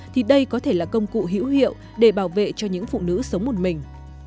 thì đây có thể là công cụ hữu hiệu để bảo vệ cho những phụ nữ sống một mình